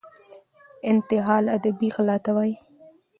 انتحال ادبي غلا ته وايي.